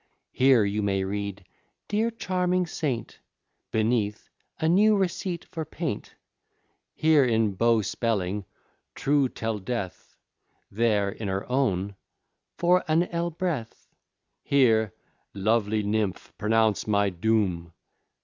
Here you may read, "Dear charming saint;" Beneath, "A new receipt for paint:" Here, in beau spelling, "Tru tel deth;" There, in her own, "For an el breth:" Here, "Lovely nymph, pronounce my doom!"